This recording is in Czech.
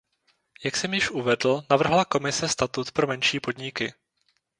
Jak jsem již uvedl, navrhla Komise statut pro menší podniky.